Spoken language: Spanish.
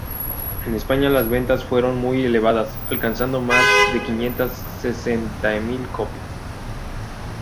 En España las ventas fueron muy elevadas, alcanzando más de quinientas sesenta mil copias.